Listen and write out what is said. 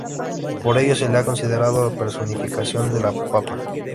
Por ello se le ha considerado la personificación de la papa.